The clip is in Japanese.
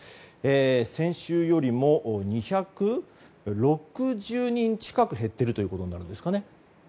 先週よりも２６０人近く減っていることになりますね。